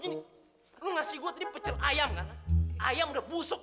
lu ngasih gua tadi pecil ayam kan ayam udah busuk